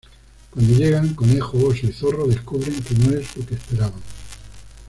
Cuando llegan, Conejo, Oso y Zorro descubren que no es lo que esperaban.